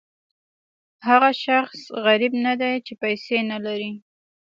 هغه شخص غریب نه دی چې پیسې نه لري.